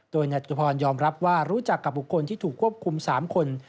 โดยนายจตุพรยอมรับว่ารู้จักกับบุคคลที่ถูกควบคุม๓คน